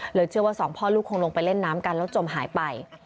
เชื่อว่าสองพ่อลูกคงลงไปเล่นน้ำกันแล้วจมหายไป